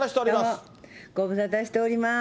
どうも、ご無沙汰しております。